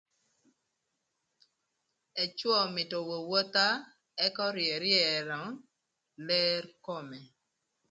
Ëcwö mïtö owowotha ëk öryëryënö ler kome